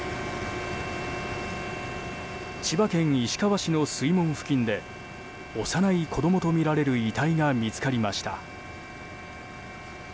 千葉県市川市の水門付近で幼い子供とみられる遺体が見つかりました。